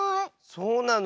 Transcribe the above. そうなの？